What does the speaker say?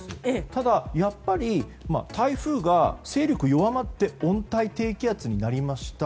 ただ、やっぱり台風が勢力を弱まって温帯低気圧になりました。